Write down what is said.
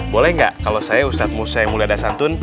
boleh nggak kalau saya ustadz musa yang mulia dasantun